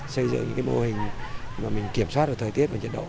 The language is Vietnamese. xây dựng những mô hình mà mình kiểm soát được thời tiết và nhiệt độ